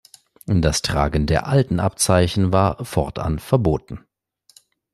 Das Tragen der alten Abzeichen war fortan verboten.